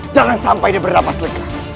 jangan sampai dia berlapas lega